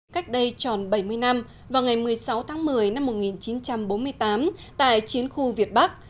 cách đây tròn bảy mươi năm vào ngày một mươi sáu tháng một mươi năm một nghìn chín trăm bốn mươi tám tại chiến khu việt bắc